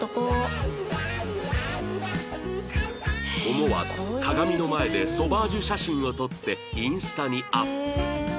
思わず鏡の前でソバージュ写真を撮ってインスタにアップ